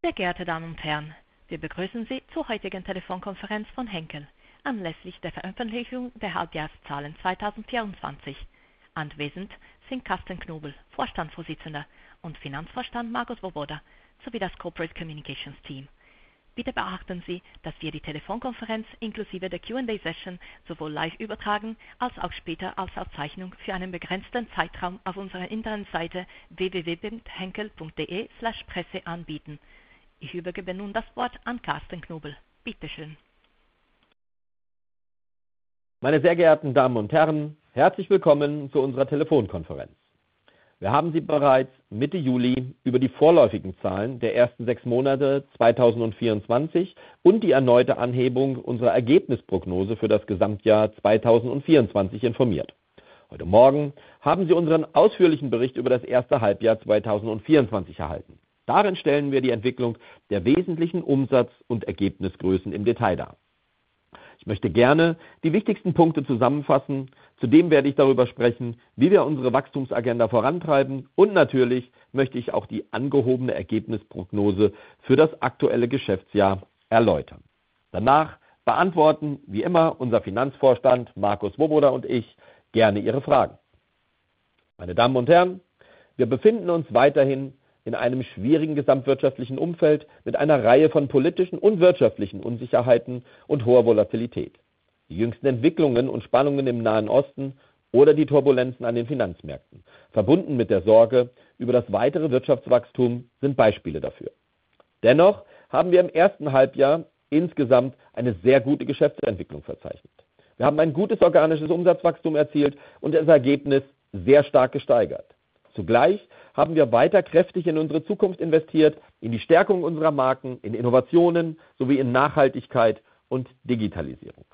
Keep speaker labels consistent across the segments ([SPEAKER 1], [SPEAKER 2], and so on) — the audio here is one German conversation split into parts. [SPEAKER 1] Sehr geehrte Damen und Herren, wir begrüßen Sie zur heutigen Telefonkonferenz von Henkel anlässlich der Veröffentlichung der Halbjahreszahlen 2024. Anwesend sind Carsten Knobel, Vorstandsvorsitzender, und Finanzvorstand Markus Zwoboda, sowie das Corporate Communications Team. Bitte beachten Sie, dass wir die Telefonkonferenz inklusive der Q&A-Session sowohl live übertragen als auch später als Aufzeichnung für einen begrenzten Zeitraum auf unserer Internetseite www.henkel.de/presse anbieten. Ich übergebe nun das Wort an Carsten Knobel. Bitte schön.
[SPEAKER 2] Meine sehr geehrten Damen und Herren, herzlich willkommen zu unserer Telefonkonferenz. Wir haben Sie bereits Mitte Juli über die vorläufigen Zahlen der ersten sechs Monate 2024 und die erneute Anhebung unserer Ergebnisprognose für das Gesamtjahr 2024 informiert. Heute Morgen haben Sie unseren ausführlichen Bericht über das erste Halbjahr 2024 erhalten. Darin stellen wir die Entwicklung der wesentlichen Umsatz- und Ergebnisgrößen im Detail dar. Ich möchte gerne die wichtigsten Punkte zusammenfassen. Zudem werde ich darüber sprechen, wie wir unsere Wachstumsagenda vorantreiben und natürlich möchte ich auch die angehobene Ergebnisprognose für das aktuelle Geschäftsjahr erläutern. Danach beantworten, wie immer, unser Finanzvorstand Markus Zwoboda und ich gerne Ihre Fragen. Meine Damen und Herren, wir befinden uns weiterhin in einem schwierigen gesamtwirtschaftlichen Umfeld mit einer Reihe von politischen und wirtschaftlichen Unsicherheiten und hoher Volatilität. Die jüngsten Entwicklungen und Spannungen im Nahen Osten oder die Turbulenzen an den Finanzmärkten, verbunden mit der Sorge über das weitere Wirtschaftswachstum, sind Beispiele dafür. Dennoch haben wir im ersten Halbjahr insgesamt eine sehr gute Geschäftsentwicklung verzeichnet. Wir haben ein gutes organisches Umsatzwachstum erzielt und das Ergebnis sehr stark gesteigert. Zugleich haben wir weiter kräftig in unsere Zukunft investiert, in die Stärkung unserer Marken, in Innovationen sowie in Nachhaltigkeit und Digitalisierung.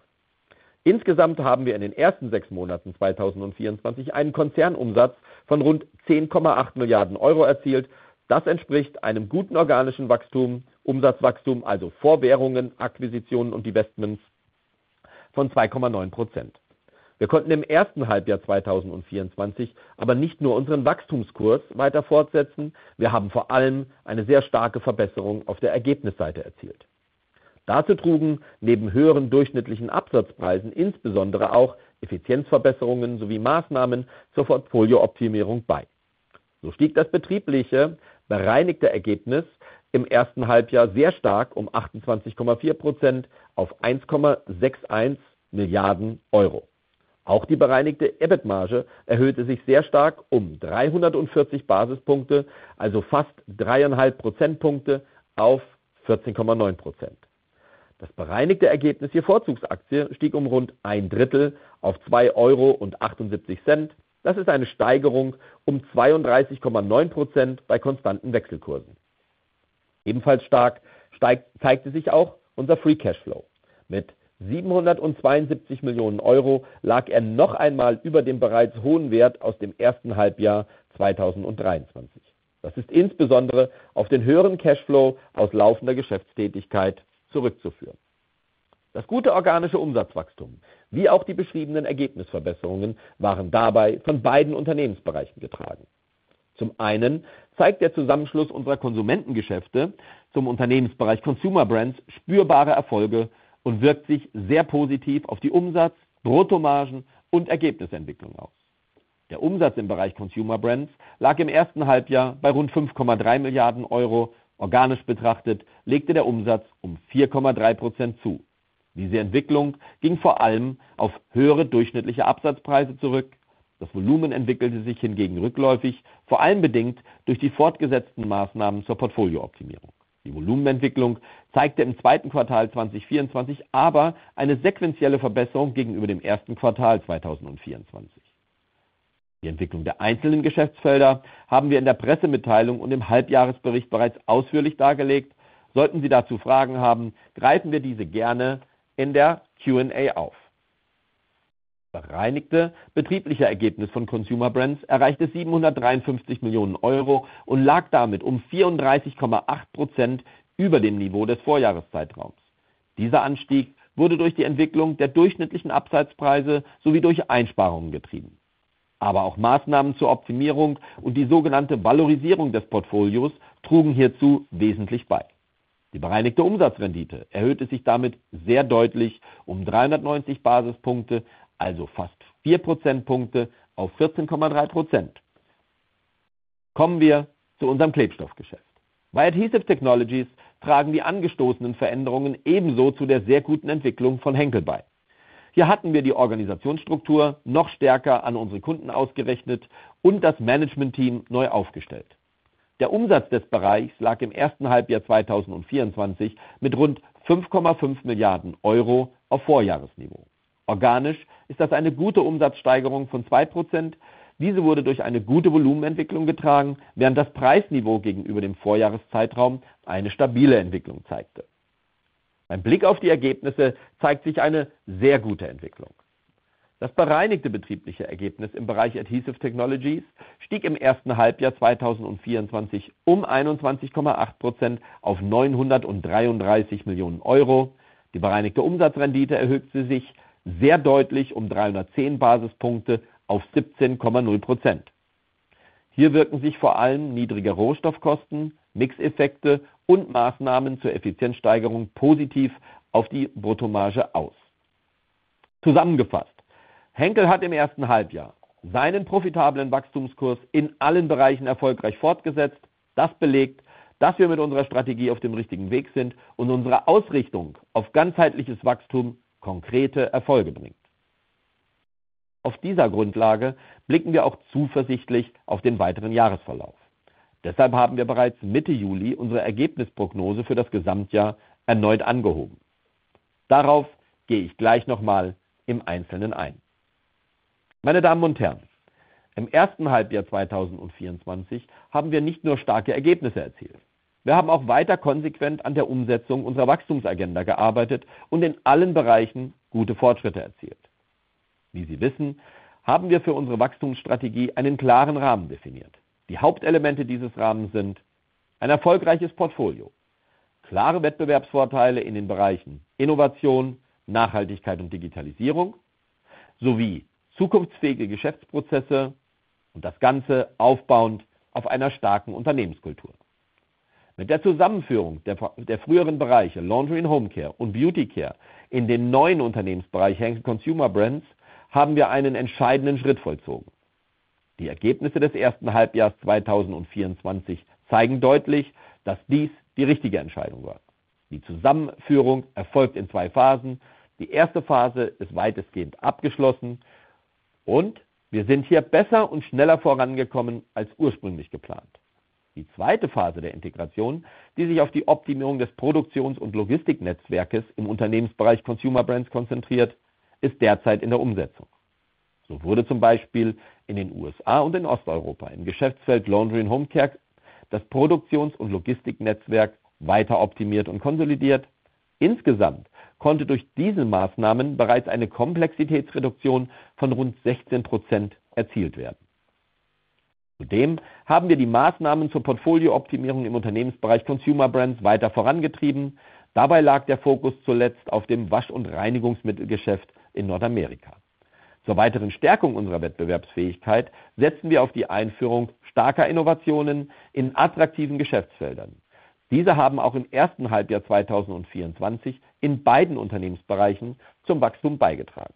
[SPEAKER 2] Insgesamt haben wir in den ersten sechs Monaten 2024 einen Konzernumsatz von rund €10,8 Milliarden erzielt. Das entspricht einem guten organischen Wachstum, Umsatzwachstum, also vor Währungen, Akquisitionen und Divestments, von 2,9%. Wir konnten im ersten Halbjahr 2024 aber nicht nur unseren Wachstumskurs weiter fortsetzen, wir haben vor allem eine sehr starke Verbesserung auf der Ergebnisseite erzielt. Dazu trugen neben höheren durchschnittlichen Absatzpreisen insbesondere auch Effizienzverbesserungen sowie Maßnahmen zur Portfoliooptimierung bei. So stieg das betriebliche bereinigte Ergebnis im ersten Halbjahr sehr stark um 28,4% auf 1,61 Milliarden Euro. Auch die bereinigte EBIT-Marge erhöhte sich sehr stark um 340 Basispunkte, also fast 3,5 Prozentpunkte, auf 14,9%. Das bereinigte Ergebnis je Vorzugsaktie stieg um rund ein Drittel auf 2,78 Euro. Das ist eine Steigerung um 32,9% bei konstanten Wechselkursen. Ebenfalls stark steigend zeigte sich auch unser Free Cashflow. Mit 772 Millionen Euro lag er noch einmal über dem bereits hohen Wert aus dem ersten Halbjahr 2023. Das ist insbesondere auf den höheren Cashflow aus laufender Geschäftstätigkeit zurückzuführen. Das gute organische Umsatzwachstum, wie auch die beschriebenen Ergebnisverbesserungen, waren dabei von beiden Unternehmensbereichen getragen. Zum einen zeigt der Zusammenschluss unserer Konsumentengeschäfte zum Unternehmensbereich Consumer Brands spürbare Erfolge und wirkt sich sehr positiv auf die Umsatz-, Bruttomargen- und Ergebnisentwicklung aus. Der Umsatz im Bereich Consumer Brands lag im ersten Halbjahr bei rund 5,3 Milliarden Euro. Organisch betrachtet legte der Umsatz um 4,3% zu. Diese Entwicklung ging vor allem auf höhere durchschnittliche Absatzpreise zurück. Das Volumen entwickelte sich hingegen rückläufig, vor allem bedingt durch die fortgesetzten Maßnahmen zur Portfoliooptimierung. Die Volumenentwicklung zeigte im zweiten Quartal 2024 aber eine sequentielle Verbesserung gegenüber dem ersten Quartal 2024. Die Entwicklung der einzelnen Geschäftsfelder haben wir in der Pressemitteilung und im Halbjahresbericht bereits ausführlich dargelegt. Sollten Sie dazu Fragen haben, greifen wir diese gerne in der Q&A auf. Das bereinigte betriebliche Ergebnis von Consumer Brands erreichte 753 Millionen Euro und lag damit um 34,8% über dem Niveau des Vorjahreszeitraums. Dieser Anstieg wurde durch die Entwicklung der durchschnittlichen Absatzpreise sowie durch Einsparungen getrieben. Aber auch Maßnahmen zur Optimierung und die sogenannte Valorisierung des Portfolios trugen hierzu wesentlich bei. Die bereinigte Umsatzrendite erhöhte sich damit sehr deutlich um 390 Basispunkte, also fast vier Prozentpunkte, auf 14,3%. Kommen wir zu unserem Klebstoffgeschäft. Bei Adhesive Technologies tragen die angestoßenen Veränderungen ebenso zu der sehr guten Entwicklung von Henkel bei. Hier hatten wir die Organisationsstruktur noch stärker an unsere Kunden ausgerichtet und das Managementteam neu aufgestellt. Der Umsatz des Bereichs lag im ersten Halbjahr 2024 mit rund €5,5 Milliarden auf Vorjahresniveau. Organisch ist das eine gute Umsatzsteigerung von 2%. Diese wurde durch eine gute Volumenentwicklung getragen, während das Preisniveau gegenüber dem Vorjahreszeitraum eine stabile Entwicklung zeigte. Ein Blick auf die Ergebnisse zeigt eine sehr gute Entwicklung. Das bereinigte betriebliche Ergebnis im Bereich Adhesive Technologies stieg im ersten Halbjahr 2024 um 21,8% auf €933 Millionen. Die bereinigte Umsatzrendite erhöhte sich sehr deutlich um 310 Basispunkte auf 17,0%. Hier wirken sich vor allem niedrige Rohstoffkosten, Mixeffekte und Maßnahmen zur Effizienzsteigerung positiv auf die Bruttomarge aus. Zusammengefasst: Henkel hat im ersten Halbjahr seinen profitablen Wachstumskurs in allen Bereichen erfolgreich fortgesetzt. Das belegt, dass wir mit unserer Strategie auf dem richtigen Weg sind und unsere Ausrichtung auf ganzheitliches Wachstum konkrete Erfolge bringt. Auf dieser Grundlage blicken wir auch zuversichtlich auf den weiteren Jahresverlauf. Deshalb haben wir bereits Mitte Juli unsere Ergebnisprognose für das Gesamtjahr erneut angehoben. Darauf gehe ich gleich noch mal im Einzelnen ein. Meine Damen und Herren, im ersten Halbjahr 2024 haben wir nicht nur starke Ergebnisse erzielt, wir haben auch weiter konsequent an der Umsetzung unserer Wachstumsagenda gearbeitet und in allen Bereichen gute Fortschritte erzielt. Wie Sie wissen, haben wir für unsere Wachstumsstrategie einen klaren Rahmen definiert. Die Hauptelemente dieses Rahmens sind: ein erfolgreiches Portfolio, klare Wettbewerbsvorteile in den Bereichen Innovation, Nachhaltigkeit und Digitalisierung sowie zukunftsfähige Geschäftsprozesse und das Ganze aufbauend auf einer starken Unternehmenskultur. Mit der Zusammenführung der früheren Bereiche Laundry & Home Care und Beauty Care in den neuen Unternehmensbereich Henkel Consumer Brands haben wir einen entscheidenden Schritt vollzogen. Die Ergebnisse des ersten Halbjahrs 2024 zeigen deutlich, dass dies die richtige Entscheidung war. Die Zusammenführung erfolgt in zwei Phasen. Die erste Phase ist weitestgehend abgeschlossen und wir sind hier besser und schneller vorangekommen als ursprünglich geplant. Die zweite Phase der Integration, die sich auf die Optimierung des Produktions- und Logistiknetzwerkes im Unternehmensbereich Consumer Brands konzentriert, ist derzeit in der Umsetzung. So wurde zum Beispiel in den USA und in Osteuropa im Geschäftsfeld Laundry & Home Care das Produktions- und Logistiknetzwerk weiter optimiert und konsolidiert. Insgesamt konnte durch diese Maßnahmen bereits eine Komplexitätsreduktion von rund 16% erzielt werden. Zudem haben wir die Maßnahmen zur Portfoliooptimierung im Unternehmensbereich Consumer Brands weiter vorangetrieben. Dabei lag der Fokus zuletzt auf dem Wasch- und Reinigungsmittelgeschäft in Nordamerika. Zur weiteren Stärkung unserer Wettbewerbsfähigkeit setzen wir auf die Einführung starker Innovationen in attraktiven Geschäftsfeldern. Diese haben auch im ersten Halbjahr 2024 in beiden Unternehmensbereichen zum Wachstum beigetragen.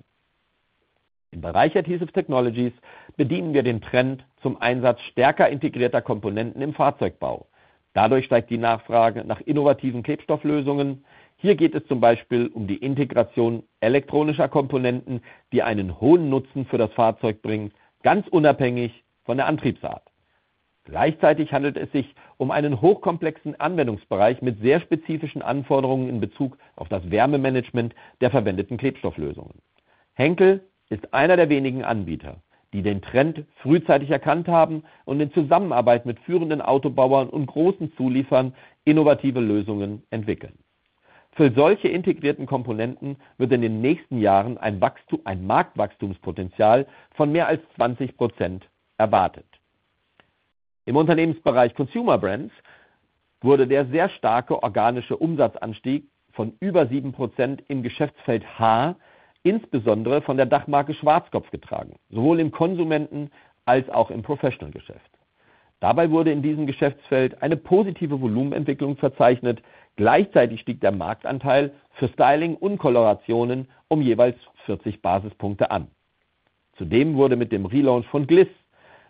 [SPEAKER 2] Im Bereich Adhesive Technologies bedienen wir den Trend zum Einsatz stärker integrierter Komponenten im Fahrzeugbau. Dadurch steigt die Nachfrage nach innovativen Klebstofflösungen. Hier geht es zum Beispiel um die Integration elektronischer Komponenten, die einen hohen Nutzen für das Fahrzeug bringen, ganz unabhängig von der Antriebsart. Gleichzeitig handelt es sich um einen hochkomplexen Anwendungsbereich mit sehr spezifischen Anforderungen in Bezug auf das Wärmemanagement der verwendeten Klebstofflösungen. Henkel ist einer der wenigen Anbieter, die den Trend frühzeitig erkannt haben und in Zusammenarbeit mit führenden Autobauern und großen Zulieferern innovative Lösungen entwickeln. Für solche integrierten Komponenten wird in den nächsten Jahren ein Marktwachstumspotenzial von mehr als 20% erwartet. Im Unternehmensbereich Consumer Brands wurde der sehr starke organische Umsatzanstieg von über 7% im Geschäftsfeld Haar, insbesondere von der Dachmarke Schwarzkopf, getragen, sowohl im Konsumenten- als auch im Professionalgeschäft. Dabei wurde in diesem Geschäftsfeld eine positive Volumenentwicklung verzeichnet. Gleichzeitig stieg der Marktanteil für Styling und Colorationen um jeweils 40 Basispunkte an. Zudem wurde mit dem Relaunch von Gliss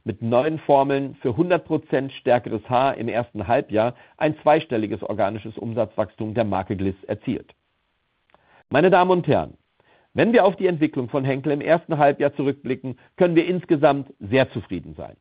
[SPEAKER 2] mit neuen Formeln für 100% stärkeres Haar im ersten Halbjahr ein zweistelliges organisches Umsatzwachstum der Marke Gliss erzielt. Meine Damen und Herren, wenn wir auf die Entwicklung von Henkel im ersten Halbjahr zurückblicken, können wir insgesamt sehr zufrieden sein.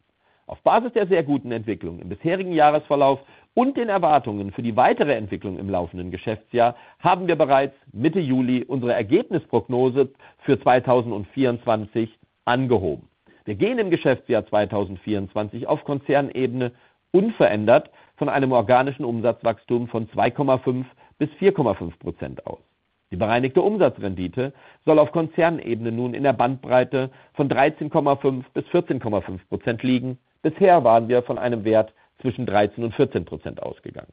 [SPEAKER 2] Auf Basis der sehr guten Entwicklung im bisherigen Jahresverlauf und den Erwartungen für die weitere Entwicklung im laufenden Geschäftsjahr haben wir bereits Mitte Juli unsere Ergebnisprognose für 2024 angehoben. Wir gehen im Geschäftsjahr 2024 auf Konzernebene unverändert von einem organischen Umsatzwachstum von 2,5% bis 4,5% aus. Die bereinigte Umsatzrendite soll auf Konzernebene nun in der Bandbreite von 13,5% bis 14,5% liegen. Bisher waren wir von einem Wert zwischen 13% und 14% ausgegangen.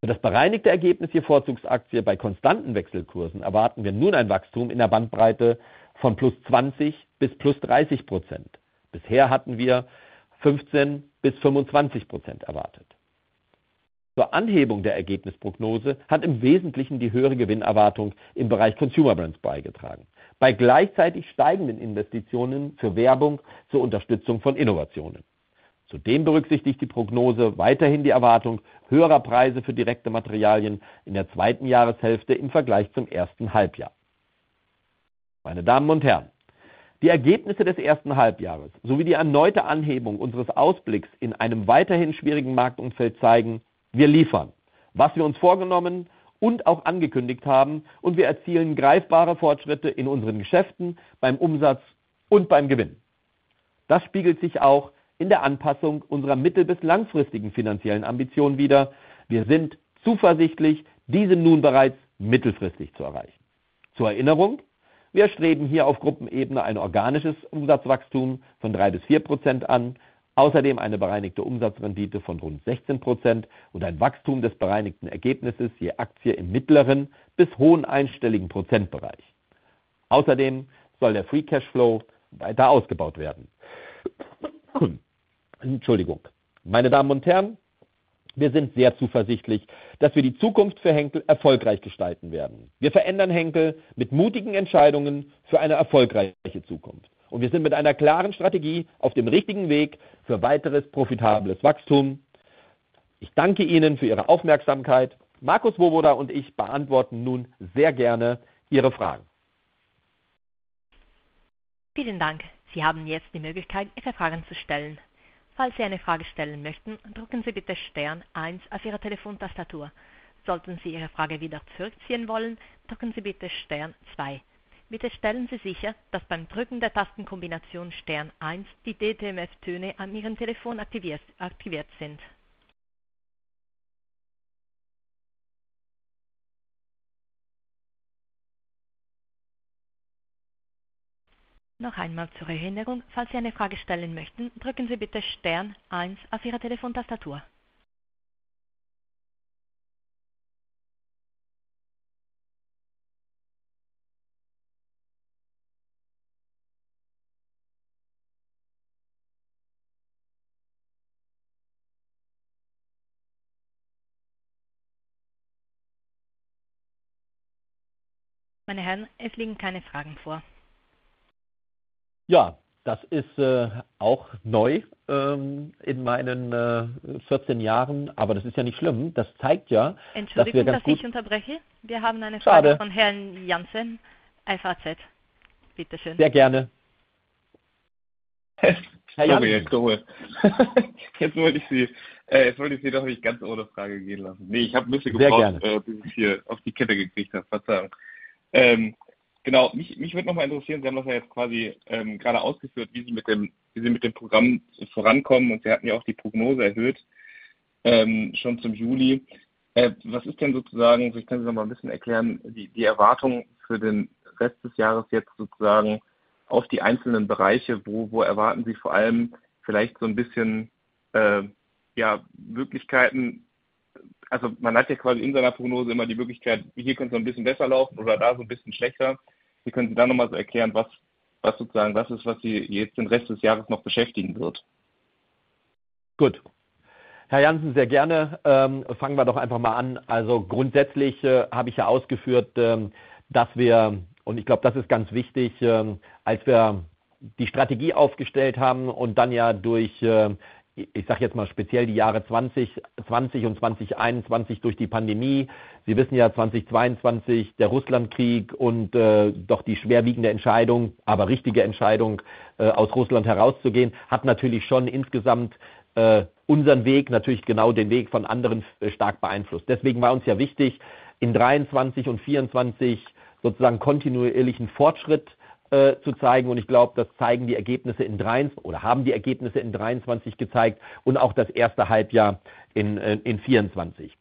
[SPEAKER 2] Für das bereinigte Ergebnis je Vorzugsaktie bei konstanten Wechselkursen erwarten wir nun ein Wachstum in der Bandbreite von +20% bis +30%. Bisher hatten wir 15% bis 25% erwartet. Zur Anhebung der Ergebnisprognose hat im Wesentlichen die höhere Gewinnerwartung im Bereich Consumer Brands beigetragen, bei gleichzeitig steigenden Investitionen für Werbung zur Unterstützung von Innovationen. Zudem berücksichtigt die Prognose weiterhin die Erwartung höherer Preise für direkte Materialien in der zweiten Jahreshälfte im Vergleich zum ersten Halbjahr. Meine Damen und Herren, die Ergebnisse des ersten Halbjahres sowie die erneute Anhebung unseres Ausblicks in einem weiterhin schwierigen Marktumfeld zeigen: Wir liefern, was wir uns vorgenommen und auch angekündigt haben, und wir erzielen greifbare Fortschritte in unseren Geschäften, beim Umsatz und beim Gewinn. Das spiegelt sich auch in der Anpassung unserer mittel- bis langfristigen finanziellen Ambitionen wider. Wir sind zuversichtlich, diese nun bereits mittelfristig zu erreichen. Zur Erinnerung: Wir streben hier auf Gruppenebene ein organisches Umsatzwachstum von 3% bis 4% an, außerdem eine bereinigte Umsatzrendite von rund 16% und ein Wachstum des bereinigten Ergebnisses je Aktie im mittleren bis hohen einstelligen Prozentbereich. Außerdem soll der Free Cashflow weiter ausgebaut werden. Meine Damen und Herren, wir sind sehr zuversichtlich, dass wir die Zukunft für Henkel erfolgreich gestalten werden. Wir verändern Henkel mit mutigen Entscheidungen für eine erfolgreiche Zukunft und wir sind mit einer klaren Strategie auf dem richtigen Weg für weiteres profitables Wachstum. Ich danke Ihnen für Ihre Aufmerksamkeit. Markus Woboda und ich beantworten nun sehr gerne Ihre Fragen.
[SPEAKER 1] Vielen Dank! Sie haben jetzt die Möglichkeit, Ihre Fragen zu stellen. Falls Sie eine Frage stellen möchten, drücken Sie bitte Stern eins auf Ihrer Telefontastatur. Sollten Sie Ihre Frage wieder zurückziehen wollen, drücken Sie bitte Stern zwei. Bitte stellen Sie sicher, dass beim Drücken der Tastenkombination Stern eins die DTMF-Töne an Ihrem Telefon aktiviert sind. Noch einmal zur Erinnerung: Falls Sie eine Frage stellen möchten, drücken Sie bitte Stern eins auf Ihrer Telefontastatur. Meine Herren, es liegen keine Fragen vor.
[SPEAKER 2] Ja, das ist auch neu in meinen vierzehn Jahren. Aber das ist ja nicht schlimm. Das zeigt ja, dass wir-
[SPEAKER 1] Entschuldigung, dass ich unterbreche. Wir haben eine Frage von Herrn Jansen, FAZ. Bitte schön.
[SPEAKER 2] Sehr gerne.
[SPEAKER 3] Jetzt habe ich es geholt. Jetzt wollte ich Sie, jetzt wollte ich Sie doch nicht ganz ohne Frage gehen lassen. Nee, ich habe ein bisschen gebraucht, bis ich Sie hier auf die Kette gekriegt habe. Verzeihung. Genau, mich würde noch mal interessieren: Sie haben doch jetzt quasi gerade ausgeführt, wie Sie mit dem Programm vorankommen und Sie hatten ja auch die Prognose erhöht, schon zum Juli. Was ist denn sozusagen, vielleicht können Sie noch mal ein bisschen erklären, die Erwartungen für den Rest des Jahres jetzt sozusagen auf die einzelnen Bereiche? Wo erwarten Sie vor allem vielleicht so ein bisschen, ja, Möglichkeiten? Also man hat ja quasi in seiner Prognose immer die Möglichkeit, hier könnte es noch ein bisschen besser laufen oder da so ein bisschen schlechter. Wie können Sie da noch mal so erklären, was sozusagen das ist, was Sie jetzt den Rest des Jahres noch beschäftigen wird?
[SPEAKER 2] Gut, Herr Jansen, sehr gerne. Fangen wir doch einfach mal an. Also grundsätzlich habe ich ja ausgeführt, dass wir, und ich glaube, das ist ganz wichtig, als wir die Strategie aufgestellt haben und dann ja durch, ich sage jetzt mal speziell die Jahre 2020 und 2021, durch die Pandemie. Sie wissen ja, 2022 der Russlandkrieg und doch die schwerwiegende Entscheidung, aber richtige Entscheidung, aus Russland herauszugehen, hat natürlich schon insgesamt unseren Weg, natürlich genau den Weg von anderen, stark beeinflusst. Deswegen war uns ja wichtig, in '23 und '24 sozusagen kontinuierlichen Fortschritt zu zeigen. Und ich glaube, das zeigen die Ergebnisse in drei-- oder haben die Ergebnisse in '23 gezeigt und auch das erste Halbjahr in '24.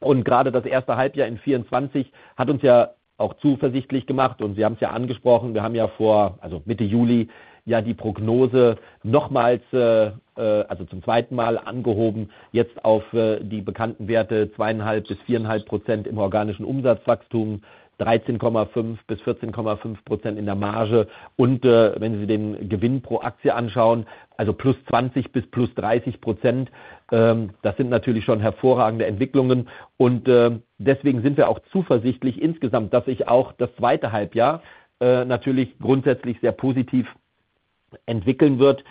[SPEAKER 2] Und gerade das erste Halbjahr in '24 hat uns ja auch zuversichtlich gemacht. Und Sie haben es ja angesprochen, wir haben ja vor, also Mitte Juli, ja die Prognose nochmals zum zweiten Mal angehoben. Jetzt auf die bekannten Werte 2,5% bis 4,5% im organischen Umsatzwachstum, 13,5% bis 14,5% in der Marge. Und wenn Sie den Gewinn pro Aktie anschauen, also plus 20% bis plus 30%, das sind natürlich schon hervorragende Entwicklungen und deswegen sind wir auch zuversichtlich insgesamt, dass sich auch das zweite Halbjahr natürlich grundsätzlich sehr positiv entwickeln wird,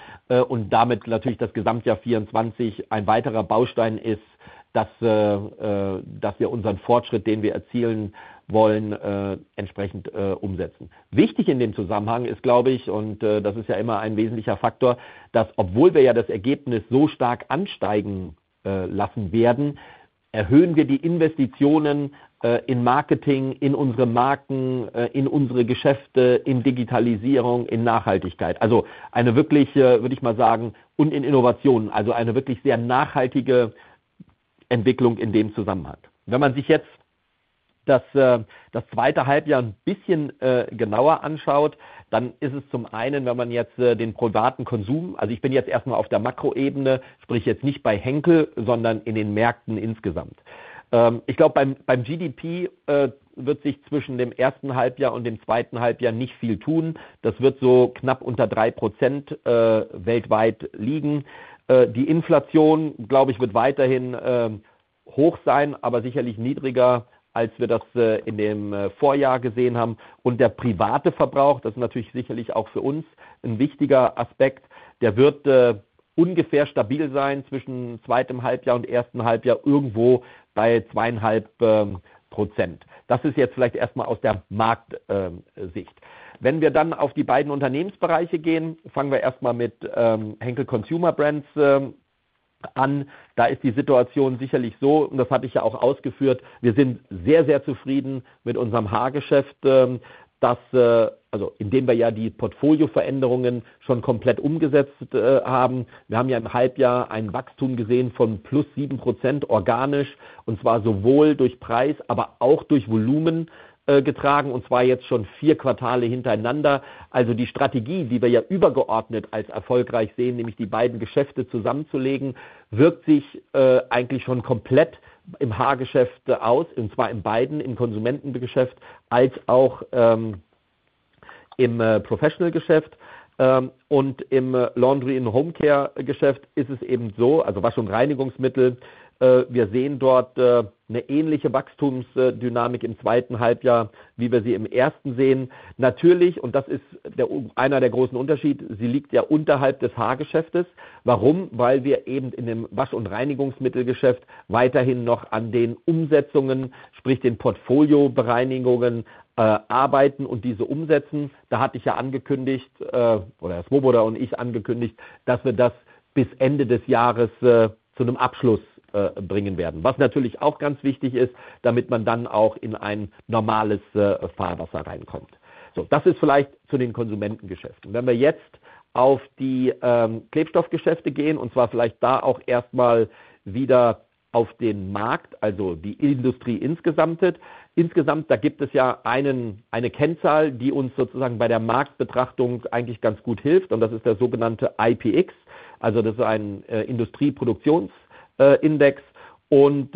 [SPEAKER 2] und damit natürlich das Gesamtjahr 2024 ein weiterer Baustein ist, dass wir unseren Fortschritt, den wir erzielen wollen, entsprechend umsetzen. Wichtig in dem Zusammenhang ist, glaube ich, und das ist ja immer ein wesentlicher Faktor, dass obwohl wir ja das Ergebnis so stark ansteigen lassen werden, erhöhen wir die Investitionen in Marketing, in unsere Marken, in unsere Geschäfte, in Digitalisierung, in Nachhaltigkeit. Also eine wirkliche, würde ich mal sagen, und in Innovationen. Also eine wirklich sehr nachhaltige Entwicklung in dem Zusammenhang. Wenn man sich jetzt das zweite Halbjahr ein bisschen genauer anschaut, dann ist es zum einen, wenn man jetzt den privaten Konsum - also ich bin jetzt erst mal auf der Makroebene, spreche jetzt nicht bei Henkel, sondern in den Märkten insgesamt. Ich glaube, beim GDP wird sich zwischen dem ersten Halbjahr und dem zweiten Halbjahr nicht viel tun. Das wird so knapp unter 3% weltweit liegen. Die Inflation, glaube ich, wird weiterhin hoch sein, aber sicherlich niedriger, als wir das in dem Vorjahr gesehen haben. Und der private Verbrauch, das ist natürlich sicherlich auch für uns ein wichtiger Aspekt, der wird ungefähr stabil sein zwischen zweitem Halbjahr und erstem Halbjahr, irgendwo bei 2,5%. Das ist jetzt vielleicht erst mal aus der Marktsicht. Wenn wir dann auf die beiden Unternehmensbereiche gehen, fangen wir erst mal mit Henkel Consumer Brands an. Da ist die Situation sicherlich so und das hatte ich ja auch ausgeführt: Wir sind sehr, sehr zufrieden mit unserem Haargeschäft, dass, also indem wir ja die Portfolioveränderungen schon komplett umgesetzt haben. Wir haben ja im Halbjahr ein Wachstum gesehen von plus 7% organisch, und zwar sowohl durch Preis, aber auch durch Volumen getragen, und zwar jetzt schon vier Quartale hintereinander. Also die Strategie, die wir ja übergeordnet als erfolgreich sehen, nämlich die beiden Geschäfte zusammenzulegen, wirkt sich eigentlich schon komplett im Haargeschäft aus, und zwar in beiden, im Konsumentengeschäft als auch im Professional Geschäft. Und im Laundry and Home Care Geschäft ist es eben so, also Wasch- und Reinigungsmittel, wir sehen dort eine ähnliche Wachstumsdynamik im zweiten Halbjahr, wie wir sie im ersten sehen. Natürlich, und das ist einer der großen Unterschiede, sie liegt ja unterhalb des Haargeschäftes. Warum? Weil wir eben in dem Wasch- und Reinigungsmittelgeschäft weiterhin noch an den Umsetzungen, sprich den Portfoliobereinigungen, arbeiten und diese umsetzen. Da hatte ich ja angekündigt, oder Herr Swoboda und ich angekündigt, dass wir das bis Ende des Jahres zu einem Abschluss bringen werden. Was natürlich auch ganz wichtig ist, damit man dann auch in ein normales Fahrwasser reinkommt. Das ist vielleicht zu den Konsumentengeschäften. Wenn wir jetzt auf die Klebstoffgeschäfte gehen, und zwar vielleicht da auch erst mal wieder auf den Markt, also die Industrie insgesamt. Insgesamt, da gibt es ja eine Kennzahl, die uns sozusagen bei der Marktbetrachtung eigentlich ganz gut hilft. Und das ist der sogenannte IPX, also das ist ein Industrieproduktionsindex. Und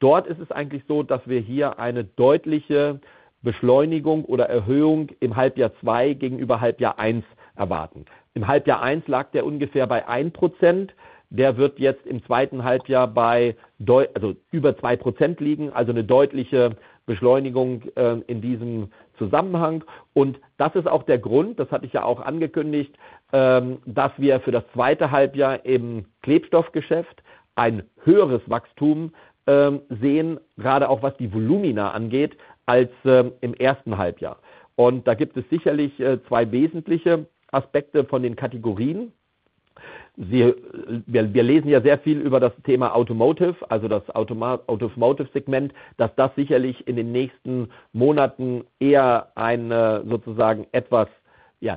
[SPEAKER 2] dort ist es eigentlich so, dass wir hier eine deutliche Beschleunigung oder Erhöhung im Halbjahr zwei gegenüber Halbjahr eins erwarten. Im Halbjahr eins lag der ungefähr bei 1%. Der wird jetzt im zweiten Halbjahr bei drei, also über 2% liegen, also eine deutliche Beschleunigung in diesem Zusammenhang. Und das ist auch der Grund, das hatte ich ja auch angekündigt, dass wir für das zweite Halbjahr im Klebstoffgeschäft ein höheres Wachstum sehen, gerade auch, was die Volumina angeht, als im ersten Halbjahr. Und da gibt es sicherlich zwei wesentliche Aspekte von den Kategorien. Wir lesen ja sehr viel über das Thema Automotive, also das Automotive Segment, dass das sicherlich in den nächsten Monaten eher ein sozusagen etwas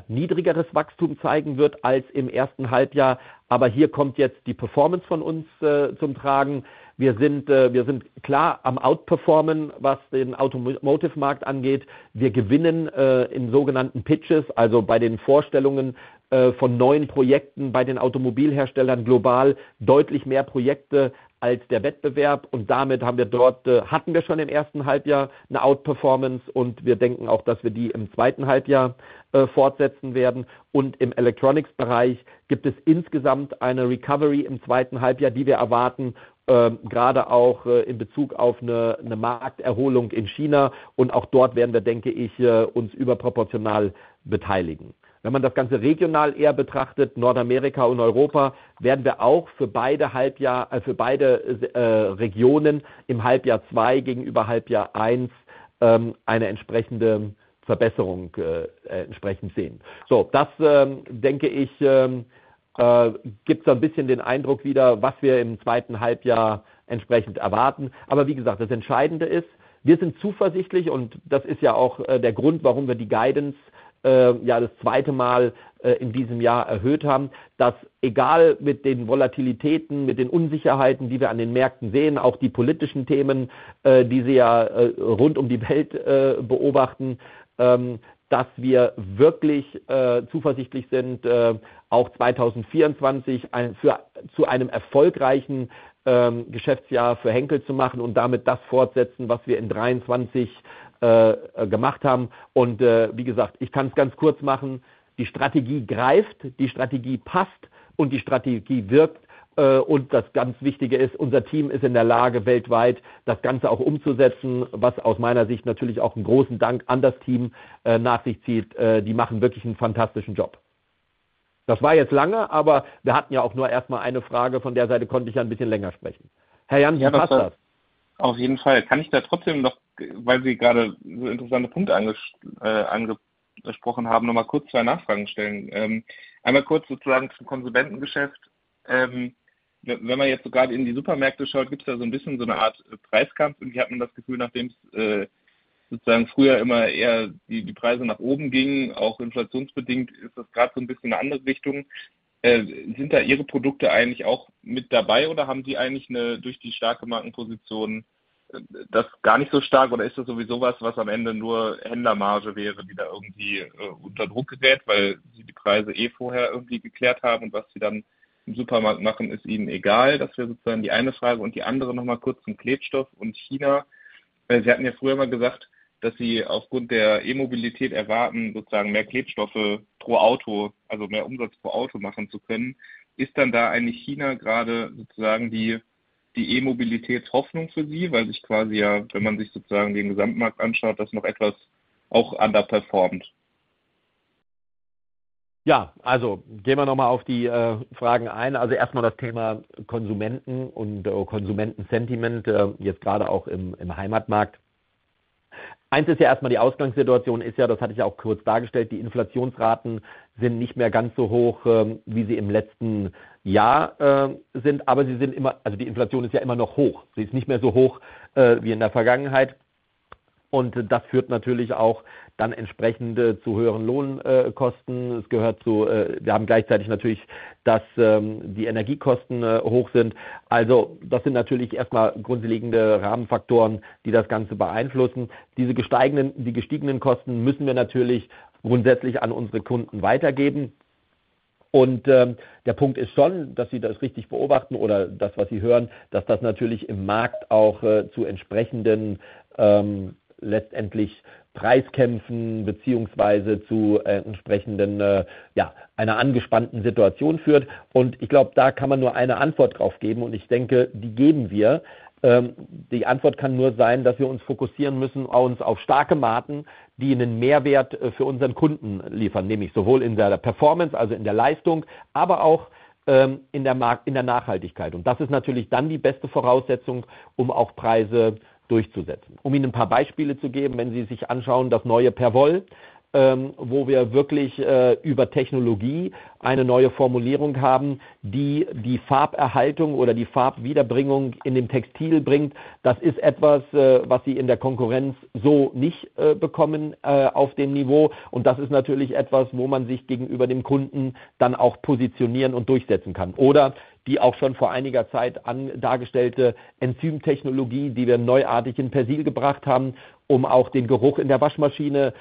[SPEAKER 2] niedrigeres Wachstum zeigen wird als im ersten Halbjahr. Aber hier kommt jetzt die Performance von uns zum Tragen. Wir sind klar am Outperformen, was den Automotive-Markt angeht. Wir gewinnen in sogenannten Pitches, also bei den Vorstellungen von neuen Projekten, bei den Automobilherstellern global, deutlich mehr Projekte als der Wettbewerb. Und damit haben wir dort hatten wir schon im ersten Halbjahr eine Outperformance und wir denken auch, dass wir die im zweiten Halbjahr fortsetzen werden. Und im Electronics-Bereich gibt es insgesamt eine Recovery im zweiten Halbjahr, die wir erwarten, gerade auch in Bezug auf eine Markterholung in China. Und auch dort werden wir, denke ich, uns überproportional beteiligen. Wenn man das Ganze regional betrachtet, Nordamerika und Europa, werden wir auch für beide Regionen im Halbjahr zwei gegenüber Halbjahr eins eine entsprechende Verbesserung sehen. Das denke ich gibt so ein bisschen den Eindruck wieder, was wir im zweiten Halbjahr entsprechend erwarten. Aber wie gesagt, das Entscheidende ist: Wir sind zuversichtlich und das ist ja auch der Grund, warum wir die Guidance das zweite Mal in diesem Jahr erhöht haben. Dass egal mit den Volatilitäten, mit den Unsicherheiten, die wir an den Märkten sehen, auch die politischen Themen, die Sie ja rund um die Welt beobachten, dass wir wirklich zuversichtlich sind, auch 2024 zu einem erfolgreichen Geschäftsjahr für Henkel zu machen und damit das fortsetzen, was wir in 2023 gemacht haben. Und wie gesagt, ich kann's ganz kurz machen: Die Strategie greift, die Strategie passt und die Strategie wirkt. Und das ganz Wichtige ist: Unser Team ist in der Lage, weltweit das Ganze auch umzusetzen, was aus meiner Sicht natürlich auch einen großen Dank an das Team nach sich zieht. Äh, die machen wirklich einen fantastischen Job. Das war jetzt lange, aber wir hatten ja auch nur erst mal eine Frage. Von der Seite konnte ich ja ein bisschen länger sprechen. Herr Jansen, wie war's das?
[SPEAKER 3] Auf jeden Fall. Kann ich da trotzdem noch, weil Sie gerade so interessante Punkte angesprochen haben, noch mal kurz zwei Nachfragen stellen? Einmal kurz sozusagen zum Konsumentengeschäft. Wenn man jetzt so gerade in die Supermärkte schaut, gibt's da so ein bisschen so eine Art Preiskampf und ich hatte nun das Gefühl, nachdem es sozusagen früher immer eher die Preise nach oben gingen, auch inflationsbedingt, ist das gerade so ein bisschen eine andere Richtung. Sind da Ihre Produkte eigentlich auch mit dabei oder haben Sie eigentlich durch die starke Markenposition das gar nicht so stark oder ist das sowieso was, was am Ende nur Händlermarge wäre, die da irgendwie unter Druck gerät, weil Sie die Preise eh vorher irgendwie geklärt haben? Und was sie dann im Supermarkt machen, ist Ihnen egal. Das wäre sozusagen die eine Frage. Und die andere noch mal kurz zum Klebstoff und China. Sie hatten ja früher immer gesagt, dass Sie aufgrund der E-Mobilität erwarten, sozusagen mehr Klebstoffe pro Auto, also mehr Umsatz pro Auto machen zu können. Ist dann da eigentlich China gerade sozusagen die E-Mobilitätshoffnung für Sie, weil sich quasi ja, wenn man sich sozusagen den Gesamtmarkt anschaut, das noch etwas auch anders performt.
[SPEAKER 2] Ja, also gehen wir noch mal auf die Fragen ein. Also erst mal das Thema Konsumenten und Konsumentensentiment, jetzt gerade auch im Heimatmarkt. Eins ist ja erst mal, die Ausgangssituation ist ja, das hatte ich ja auch kurz dargestellt: Die Inflationsraten sind nicht mehr ganz so hoch, wie sie im letzten Jahr sind. Aber sie sind immer... Also die Inflation ist ja immer noch hoch. Sie ist nicht mehr so hoch, wie in der Vergangenheit. Und das führt natürlich auch dann entsprechend zu höheren Lohnkosten. Es gehört zu... Wir haben gleichzeitig natürlich, dass die Energiekosten hoch sind. Also das sind natürlich erst mal grundlegende Rahmenfaktoren, die das Ganze beeinflussen. Diese gesteigerten, die gestiegenen Kosten müssen wir natürlich grundsätzlich an unsere Kunden weitergeben. Der Punkt ist schon, dass Sie das richtig beobachten oder das, was Sie hören, dass das natürlich im Markt auch zu entsprechenden, letztendlich Preiskämpfen beziehungsweise zu entsprechenden, ja, einer angespannten Situation führt. Ich glaube, da kann man nur eine Antwort drauf geben und ich denke, die geben wir. Die Antwort kann nur sein, dass wir uns fokussieren müssen auf starke Marken, die einen Mehrwert für unseren Kunden liefern. Nämlich sowohl in der Performance, also in der Leistung, aber auch in der Marke, in der Nachhaltigkeit. Das ist natürlich dann die beste Voraussetzung, um auch Preise durchzusetzen. Um Ihnen ein paar Beispiele zu geben: Wenn Sie sich anschauen, das neue Perwoll, wo wir wirklich über Technologie eine neue Formulierung haben, die die Farberhaltung oder die Farbwiederbringung in dem Textil bringt. Das ist etwas, was Sie in der Konkurrenz so nicht bekommen auf dem Niveau. Und das ist natürlich etwas, wo man sich gegenüber dem Kunden dann auch positionieren und durchsetzen kann. Oder die auch schon vor einiger Zeit dargestellte Enzymtechnologie, die wir neuartig in Persil gebracht haben, um auch den Geruch in der Waschmaschine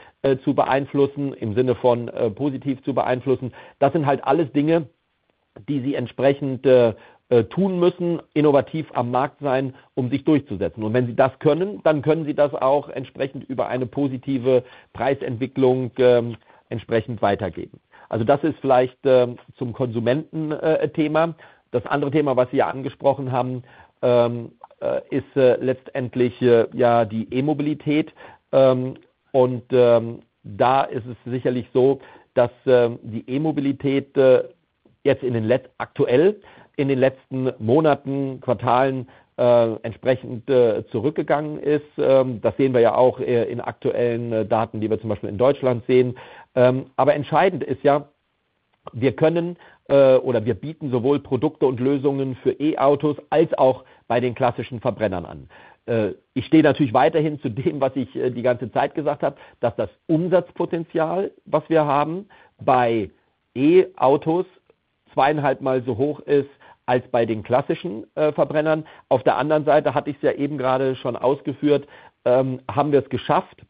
[SPEAKER 2] zu beeinflussen, im Sinne von positiv zu beeinflussen. Das sind halt alles Dinge, die Sie entsprechend tun müssen, innovativ am Markt sein, um sich durchzusetzen. Und wenn Sie das können, dann können Sie das auch entsprechend über eine positive Preisentwicklung entsprechend weitergeben. Also das ist vielleicht zum Konsumententhema. Das andere Thema, was Sie ja angesprochen haben, ist letztendlich, ja, die E-Mobilität. Und da ist es sicherlich so, dass die E-Mobilität jetzt in den letzten Monaten, Quartalen entsprechend zurückgegangen ist. Das sehen wir ja auch in aktuellen Daten, die wir zum Beispiel in Deutschland sehen. Aber entscheidend ist ja: Wir können oder wir bieten sowohl Produkte und Lösungen für E-Autos als auch bei den klassischen Verbrennern an. Ich stehe natürlich weiterhin zu dem, was ich die ganze Zeit gesagt habe, dass das Umsatzpotenzial, was wir haben, bei E-Autos zweieinhalb Mal so hoch ist als bei den klassischen Verbrennern. Auf der anderen Seite hatte ich's ja eben gerade schon ausgeführt, haben wir es geschafft,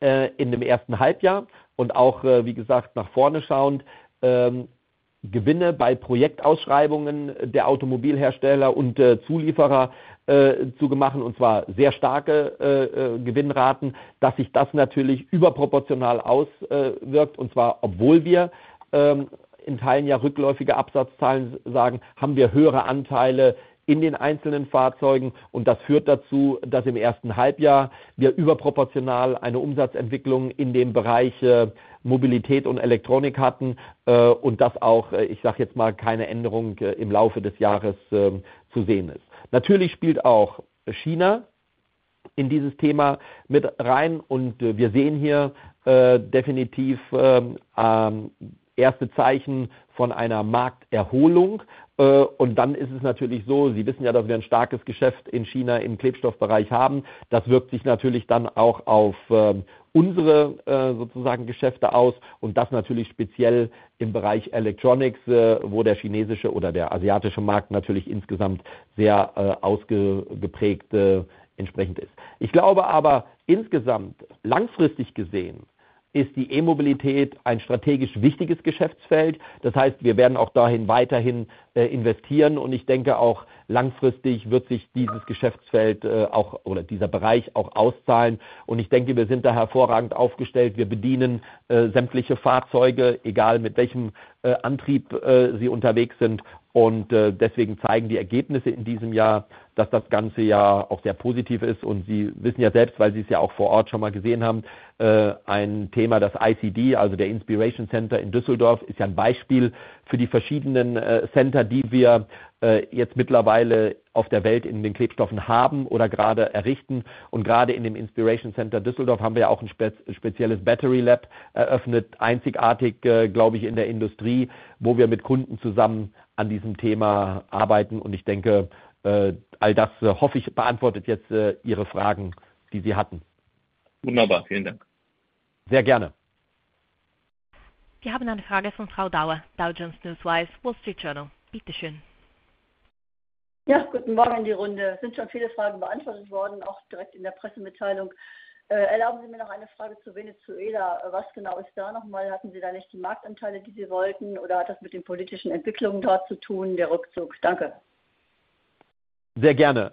[SPEAKER 2] in dem ersten Halbjahr und auch, wie gesagt, nach vorne schauend, Gewinne bei Projektausschreibungen der Automobilhersteller und Zulieferer zu machen. Und zwar sehr starke Gewinnraten. Dass sich das natürlich überproportional auswirkt. Und zwar, obwohl wir in Teilen ja rückläufige Absatzzahlen sagen, haben wir höhere Anteile in den einzelnen Fahrzeugen. Und das führt dazu, dass im ersten Halbjahr wir überproportional eine Umsatzentwicklung in dem Bereich Mobilität und Elektronik hatten, und dass auch, ich sage jetzt mal, keine Änderung im Laufe des Jahres zu sehen ist. Natürlich spielt auch China in dieses Thema mit rein und wir sehen hier definitiv erste Zeichen von einer Markterholung. Und dann ist es natürlich so: Sie wissen ja, dass wir ein starkes Geschäft in China im Klebstoffbereich haben. Das wirkt sich natürlich dann auch auf unsere, sozusagen Geschäfte aus. Und das natürlich speziell im Bereich Electronics, wo der chinesische oder der asiatische Markt natürlich insgesamt sehr ausgeprägt entsprechend ist. Ich glaube aber, insgesamt, langfristig gesehen, ist die E-Mobilität ein strategisch wichtiges Geschäftsfeld. Das heißt, wir werden auch dahin weiterhin investieren. Und ich denke, auch langfristig wird sich dieses Geschäftsfeld auch oder dieser Bereich auch auszahlen. Und ich denke, wir sind da hervorragend aufgestellt. Wir bedienen sämtliche Fahrzeuge, egal mit welchem Antrieb sie unterwegs sind. Und deswegen zeigen die Ergebnisse in diesem Jahr, dass das Ganze ja auch sehr positiv ist. Und Sie wissen ja selbst, weil Sie es ja auch vor Ort schon mal gesehen haben, ein Thema, das ICD, also der Inspiration Center in Düsseldorf, ist ja ein Beispiel für die verschiedenen Center, die wir jetzt mittlerweile auf der Welt in den Klebstoffen haben oder gerade errichten. Und gerade in dem Inspiration Center Düsseldorf haben wir ja auch ein spezielles Battery Lab eröffnet. Einzigartig, glaube ich, in der Industrie, wo wir mit Kunden zusammen an diesem Thema arbeiten. Und ich denke, all das, hoffe ich, beantwortet jetzt Ihre Fragen, die Sie hatten.
[SPEAKER 4] Wunderbar. Vielen Dank!
[SPEAKER 2] Sehr gerne.
[SPEAKER 1] Wir haben eine Frage von Frau Dauer, Dow Jones Newswire, Wall Street Journal. Bitte schön.
[SPEAKER 5] Ja, guten Morgen in die Runde. Es sind schon viele Fragen beantwortet worden, auch direkt in der Pressemitteilung. Erlauben Sie mir noch eine Frage zu Venezuela: Was genau ist da noch mal? Hatten Sie da nicht die Marktanteile, die Sie wollten, oder hat das mit den politischen Entwicklungen dort zu tun, der Rückzug? Danke.
[SPEAKER 2] Sehr gerne,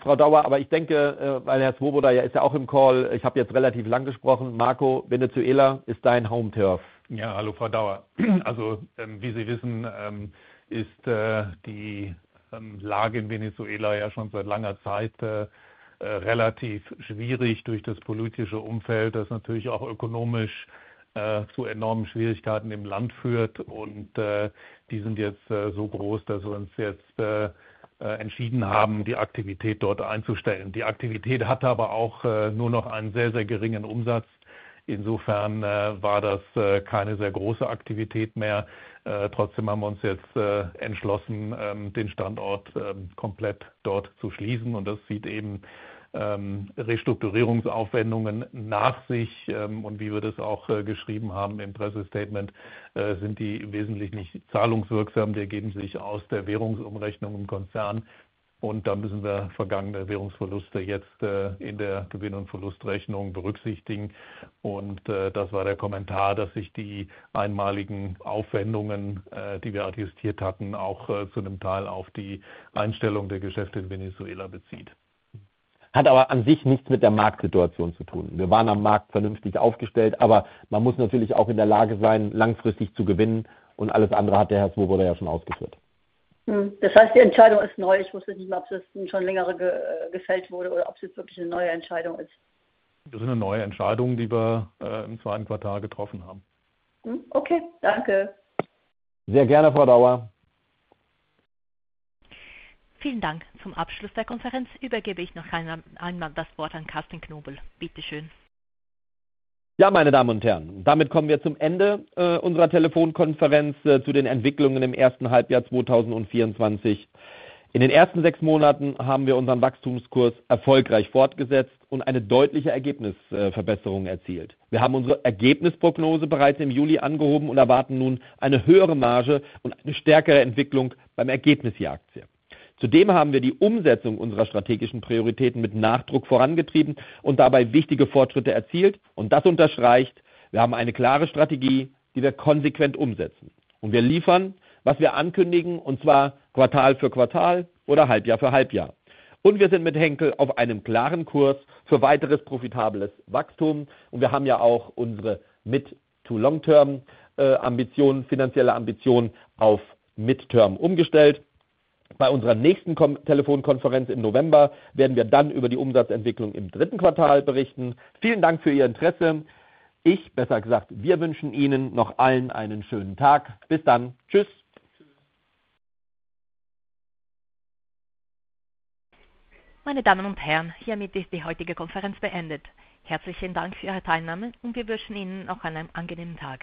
[SPEAKER 2] Frau Dauer. Aber ich denke, weil Herr Zwoboder ist ja auch im Call. Ich habe jetzt relativ lang gesprochen. Marco, Venezuela ist dein Home turf.
[SPEAKER 4] Ja, hallo Frau Dauer. Also, wie Sie wissen, ist die Lage in Venezuela ja schon seit langer Zeit relativ schwierig durch das politische Umfeld, das natürlich auch ökonomisch zu enormen Schwierigkeiten im Land führt. Und die sind jetzt so groß, dass wir uns jetzt entschieden haben, die Aktivität dort einzustellen. Die Aktivität hatte aber auch nur noch einen sehr, sehr geringen Umsatz. Insofern war das keine sehr große Aktivität mehr. Trotzdem haben wir uns jetzt entschlossen, den Standort komplett dort zu schließen. Und das zieht eben Restrukturierungsaufwendungen nach sich. Und wie wir das auch geschrieben haben im Pressestatement, sind die wesentlich nicht zahlungswirksam. Die ergeben sich aus der Währungsumrechnung im Konzern und da müssen wir vergangene Währungsverluste jetzt in der Gewinn- und Verlustrechnung berücksichtigen. Und das war der Kommentar, dass sich die einmaligen Aufwendungen, die wir adjustiert hatten, auch zu einem Teil auf die Einstellung der Geschäfte in Venezuela bezieht.
[SPEAKER 2] Hat aber an sich nichts mit der Marktsituation zu tun. Wir waren am Markt vernünftig aufgestellt, aber man muss natürlich auch in der Lage sein, langfristig zu gewinnen und alles andere hat der Herr Swoboda ja schon ausgeführt.
[SPEAKER 5] Mhm. Das heißt, die Entscheidung ist neu? Ich wusste nicht, ob das schon längere gefällt wurde oder ob es jetzt wirklich eine neue Entscheidung ist.
[SPEAKER 4] Das ist eine neue Entscheidung, die wir im zweiten Quartal getroffen haben.
[SPEAKER 5] Mhm, okay, danke!
[SPEAKER 2] Sehr gerne, Frau Dauer.
[SPEAKER 1] Vielen Dank. Zum Abschluss der Konferenz übergebe ich noch einmal das Wort an Carsten Knobel. Bitte schön.
[SPEAKER 2] Ja, meine Damen und Herren, damit kommen wir zum Ende unserer Telefonkonferenz zu den Entwicklungen im ersten Halbjahr 2024. In den ersten sechs Monaten haben wir unseren Wachstumskurs erfolgreich fortgesetzt und eine deutliche Ergebnisverbesserung erzielt. Wir haben unsere Ergebnisprognose bereits im Juli angehoben und erwarten nun eine höhere Marge und eine stärkere Entwicklung beim Ergebnis je Aktie. Zudem haben wir die Umsetzung unserer strategischen Prioritäten mit Nachdruck vorangetrieben und dabei wichtige Fortschritte erzielt. Das unterstreicht: Wir haben eine klare Strategie, die wir konsequent umsetzen. Wir liefern, was wir ankündigen. Und zwar Quartal für Quartal oder Halbjahr für Halbjahr. Wir sind mit Henkel auf einem klaren Kurs für weiteres profitables Wachstum. Wir haben auch unsere Mid- to Long-Term Ambitionen, finanzielle Ambitionen, auf Midterm umgestellt. Bei unserer nächsten Telefonkonferenz im November werden wir dann über die Umsatzentwicklung im dritten Quartal berichten. Vielen Dank für Ihr Interesse. Ich, besser gesagt, wir wünschen Ihnen noch allen einen schönen Tag. Bis dann. Tschüss!
[SPEAKER 1] Meine Damen und Herren, hiermit ist die heutige Konferenz beendet. Herzlichen Dank für Ihre Teilnahme und wir wünschen Ihnen noch einen angenehmen Tag.